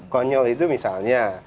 konyol itu misalnya